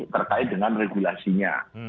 terkait dengan regulasinya